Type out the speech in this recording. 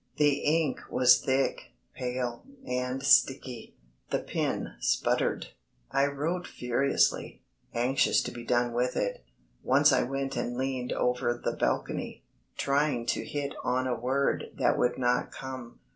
The ink was thick, pale, and sticky; the pen spluttered. I wrote furiously, anxious to be done with it. Once I went and leaned over the balcony, trying to hit on a word that would not come.